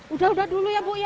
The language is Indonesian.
udah udah dulu ya bu ya